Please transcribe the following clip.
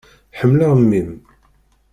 Ḥemmleɣ mmi-m.